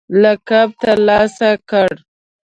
لقب ترلاسه کړ